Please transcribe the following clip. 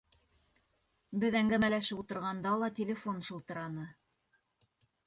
Беҙ әңгәмәләшеп ултырғанда ла телефон шылтыраны.